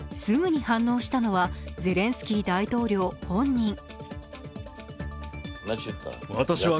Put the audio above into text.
すぐに反応したのは、ゼレンスキー大統領本人。